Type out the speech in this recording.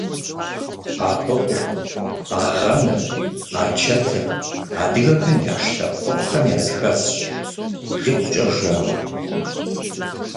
Абыкъур, агъэныр, ачэтыр - адыгэхэм яш лъэпкъыфӏхэм языхэзщ, икъукӏэ жэру.